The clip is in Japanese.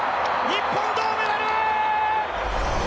日本、銅メダル！